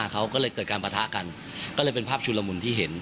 ก็เลยเป็นภาพชูระหมุนที่เห็น